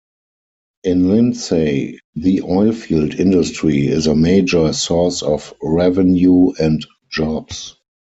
In Lindsay, the oilfield industry is a major source of revenue and jobs.